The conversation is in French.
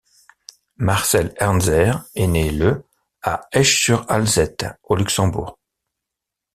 Marcel Ernzer est né le à Esch-sur-Alzette au Luxembourg.